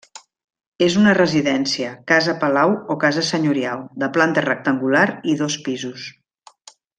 És una residència, casa-palau, o casa senyorial, de planta rectangular i dos pisos.